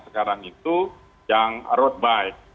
sekarang itu yang road bike